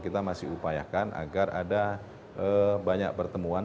kita masih upayakan agar ada banyak pertemuan